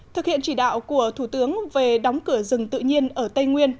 thực hiện chỉ đạo của thủ tướng về đóng cửa rừng tự nhiên ở tây nguyên